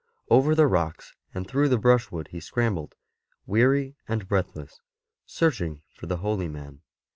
Over the rocks and through the brushwood he scrambled, weary and breathless, searching for the holy man.